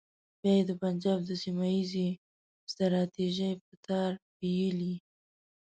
بیا یې د پنجاب د سیمه ییزې ستراتیژۍ په تار پېیلې.